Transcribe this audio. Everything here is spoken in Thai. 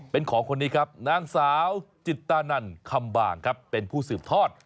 เป็นของคนนี้ครับนางสาวจิตานันคำบางครับเป็นผู้สืบทอด